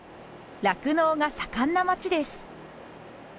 酪農が盛んな町です。